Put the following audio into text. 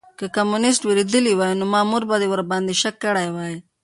که کمونيسټ وېرېدلی وای نو مامور به ورباندې شک کړی وای.